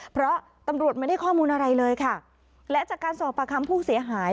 เพราะตำรวจไม่ได้ข้อมูลอะไรเลยค่ะและจากการสอบประคำผู้เสียหาย